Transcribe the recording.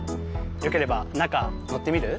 よければ中乗ってみる？